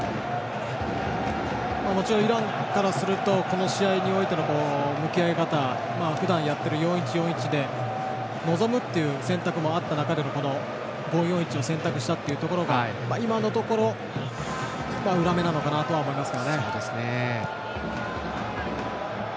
もちろんイランからするとこの試合の向き合い方、ふだんやっている４−１−４−１で臨むという選択もあった中で５−４−１を選択したというところが今のところ裏目なのかなと思います。